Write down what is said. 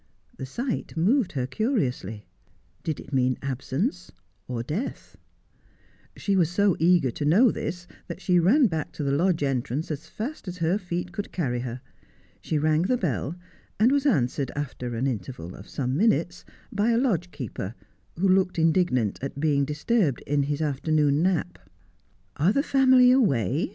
The sight moved her curiously. Did it mean absence— or death 1 She was so eager to know this, that she ran back to the lodge entrance as fast as her feet could carry her. She rang the bell, and was answered, after an interval of some minutes, by a lodge keeper, who looked indignant at being disturbed in his afternoon nap. ' Are the family away